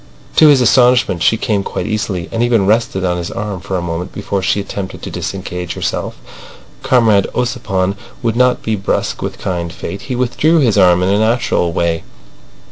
To his astonishment she came quite easily, and even rested on his arm for a moment before she attempted to disengage herself. Comrade Ossipon would not be brusque with kind fate. He withdrew his arm in a natural way.